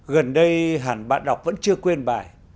gần đây hẳn bạn đọc vẫn chưa quên bài